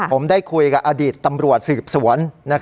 ผมได้คุยกับอดีตตำรวจสืบสวน